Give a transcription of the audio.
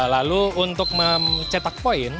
lalu untuk mencetak poin